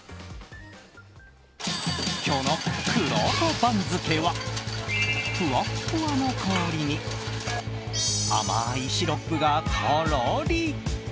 今日のくろうと番付はふわっふわの氷に甘いシロップがとろり！